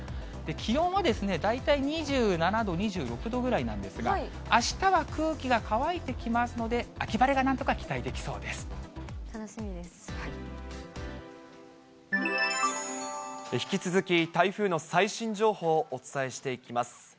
気温は大体２７度、２６度ぐらいなんですが、あしたは空気が乾いてきますので、秋晴れがなんとか引き続き、台風の最新情報をお伝えしていきます。